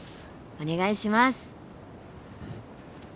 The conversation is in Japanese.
お願いします。